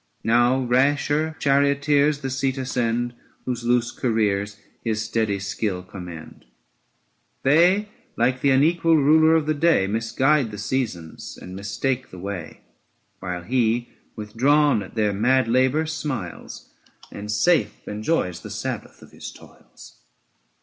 Now rasher charioteers the seat ascend, Whose loose careers his steady skill commend : They, like the unequal ruler of the day, 910 Misguide the seasons and mistake the way, While he, withdrawn, at their mad labour smiles And safe enjoys the sabbath of his toils.